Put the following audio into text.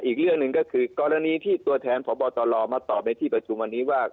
อีกเรื่องหนึ่งก็คือกรณีที่ตัวแทนพบตลมาตอบในที่ประชุมวันนี้ว่า